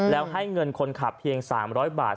แล้วให้เงินคนขับเพียง๓๐๐บาท